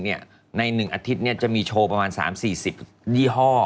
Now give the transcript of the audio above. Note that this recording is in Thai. ใน๑อาทิตย์จะมีโชว์ประมาณ๓๔๐ยี่ห้อ